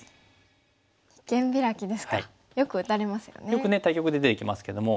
よくね対局で出てきますけども。